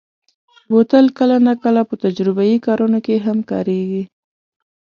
بوتل کله ناکله په تجربهيي کارونو کې هم کارېږي.